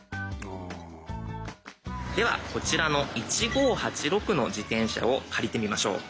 ではこちらの「１５８６」の自転車を借りてみましょう。